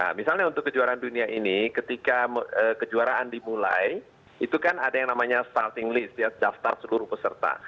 nah misalnya untuk kejuaraan dunia ini ketika kejuaraan dimulai itu kan ada yang namanya starting list ya daftar seluruh peserta